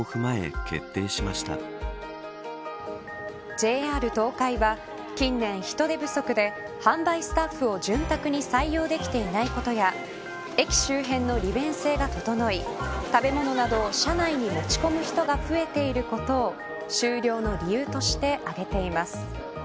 ＪＲ東海は、近年人手不足で販売スタッフを潤沢に採用できていないことや駅周辺の利便性が整い食べ物などを車内に持ち込む人が増えていることを終了の理由として挙げています。